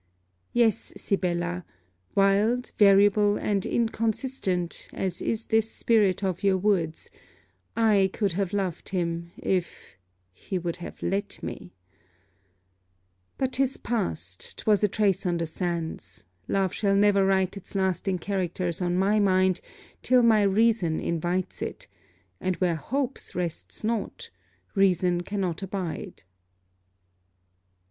Yes, Sibella, wild, variable, and inconsistent, as is this spirit of your woods, I could have loved him if 'he would have let me.' But 'tis past: 'twas a trace on the sands. Love shall never write its lasting characters on my mind, till my reason invites it: and where hopes rests not, reason cannot abide.